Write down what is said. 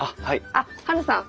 あっハルさん